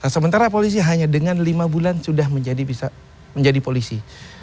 sementara polisi hanya dengan lima bulan sudah bisa menjadi polisi